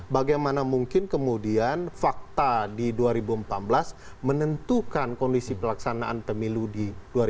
bagaimana mungkin kemudian fakta di dua ribu empat belas menentukan kondisi pelaksanaan pemilu di dua ribu sembilan belas